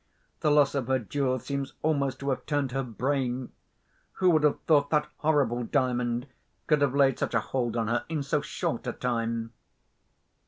The loss of her jewel seems almost to have turned her brain. Who would have thought that horrible Diamond could have laid such a hold on her in so short a time?"